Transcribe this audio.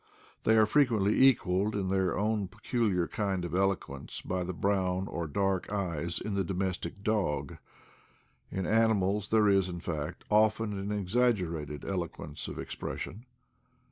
They are frequently equaled in their own peculiar kind of eloquence by the brown or dark eyes in the domes tic dog. In animals there is, in fact, often an exag gerated eloquence of expression.